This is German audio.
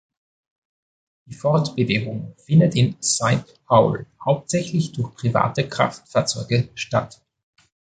Die Fortbewegung findet in Saint Paul hauptsächlich durch private Kraftfahrzeuge statt.